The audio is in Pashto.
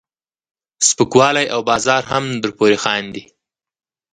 سپکوالی او بازار هم درپورې خاندي.